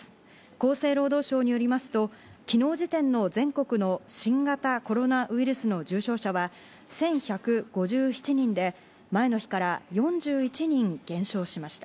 厚生労働省によりますと、昨日時点の全国の新型コロナウイルスの重症者は１１５７人で前の日から４１人減少しました。